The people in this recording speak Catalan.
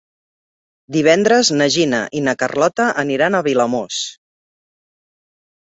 Divendres na Gina i na Carlota aniran a Vilamòs.